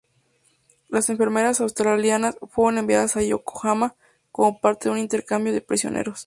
Las enfermeras australianas fueron enviadas a Yokohama como parte de un intercambio de prisioneros.